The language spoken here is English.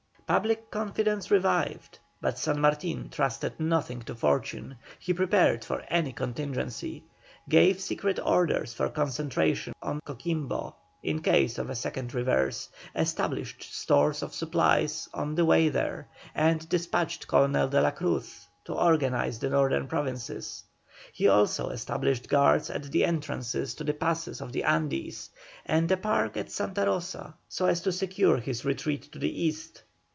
Public confidence revived, but San Martin trusted nothing to fortune, he prepared for any contingency, gave secret orders for concentration on Coquimbo in case of a second reverse, established stores of supplies on the way there, and despatched Colonel de la Cruz to organize the northern provinces. He also established guards at the entrances to the passes of the Andes, and a park at Santa Rosa, so as to secure his retreat to the east.